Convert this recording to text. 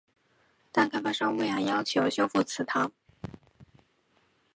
但开发商未按要求修复祠堂。